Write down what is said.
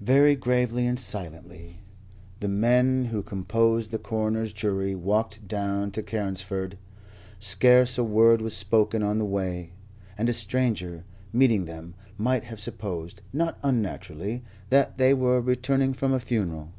Very gravely and silently the men who composed the coroner's jury walked down to Carnesford; scarce a word was spoken on the way, and a stranger, meeting them, might have supposed, not unnaturally, that they were returning from a funeral.